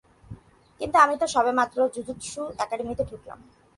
কিন্তু আমি তো সবে মাত্র জুজুৎসু একাডেমীতে ঢুকলাম।